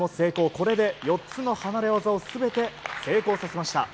これで４つの離れ技を全て成功させました。